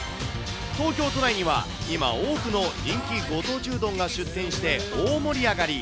東京都内には、今、多くの人気ご当地うどんが出店して、大盛り上がり。